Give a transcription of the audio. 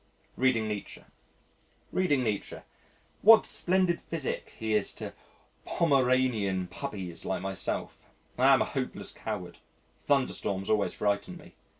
Reading Nietzsche Reading Nietzsche. What splendid physic he is to Pomeranian puppies like myself! I am a hopeless coward. Thunderstorms always frighten me.